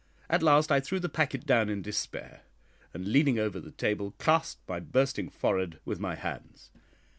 At last I threw the packet down in despair, and, leaning over the table, clasped my bursting forehead with my hands.